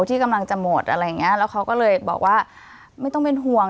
ที่กำลังจะหมดอะไรอย่างเงี้ยแล้วเขาก็เลยบอกว่าไม่ต้องเป็นห่วง